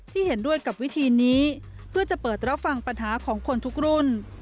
เห็นด้วยกับวิธีนี้เพื่อจะเปิดรับฟังปัญหาของคนทุกรุ่น